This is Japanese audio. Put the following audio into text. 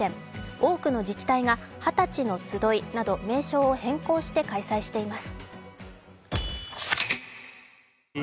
多くの自治体が二十歳の集いなど名称を変更して開催しています。